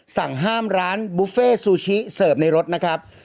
สั่งห้ามร้านบุฟเฟ่ซูชิเสิร์ฟในรถนะครับ